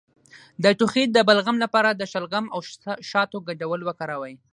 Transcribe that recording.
د ټوخي د بلغم لپاره د شلغم او شاتو ګډول وکاروئ